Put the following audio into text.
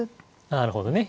なるほどね。